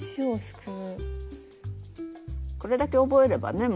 これだけ覚えればね